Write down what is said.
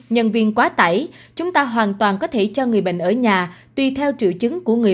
nguyên quá tẩy chúng ta hoàn toàn có thể cho người bệnh ở nhà tùy theo triệu chứng của người